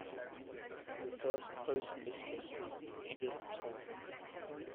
The first postmistress was Edith Tulk.